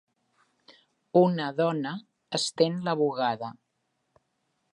Una dona estén la bugada.